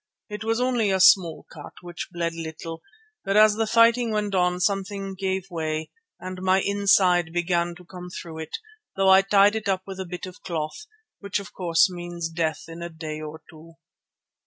It was only a small cut, which bled little, but as the fighting went on something gave way and my inside began to come through it, though I tied it up with a bit of cloth, which of course means death in a day or two."